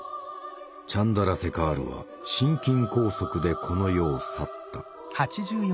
チャンドラセカールは心筋梗塞でこの世を去った。